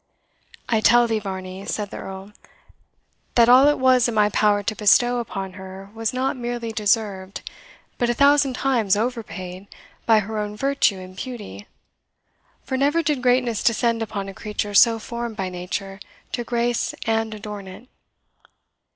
"I tell thee, Varney," said the Earl, "that all it was in my power to bestow upon her was not merely deserved, but a thousand times overpaid, by her own virtue and beauty; for never did greatness descend upon a creature so formed by nature to grace and adorn it."